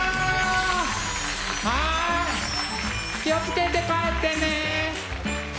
気を付けて帰ってね！